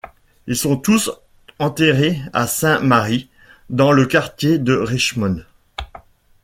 Ils sont tous enterrés à Saint-Mary's, dans le quartier de Richmond.